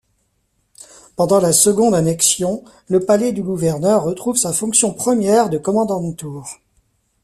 Pendant la seconde annexion, le palais du Gouverneur retrouve sa fonction première de Kommandantur.